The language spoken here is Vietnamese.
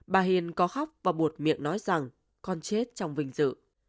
bà hiền có khóc và bột miệng nói rằng con chết trong vinh dự